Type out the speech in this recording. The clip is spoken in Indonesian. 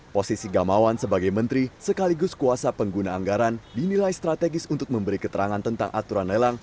posisi gamawan sebagai menteri sekaligus kuasa pengguna anggaran dinilai strategis untuk memberi keterangan tentang aturan lelang